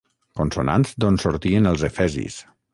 Consonants d'on sortien els efesis.